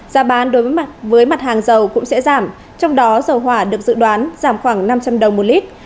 giá bán với mặt hàng dầu cũng sẽ giảm trong đó dầu hỏa được dự đoán giảm khoảng năm trăm linh đồng một lit